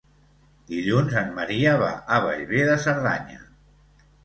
Dilluns en Maria va a Bellver de Cerdanya.